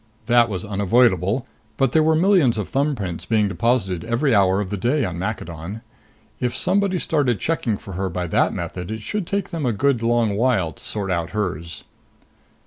That was unavoidable. But there were millions of thumbprints being deposited every hour of the day on Maccadon. If somebody started checking for her by that method, it should take them a good long while to sort out hers.